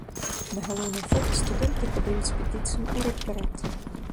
На галоўным фота студэнты падаюць петыцыю ў рэктарат.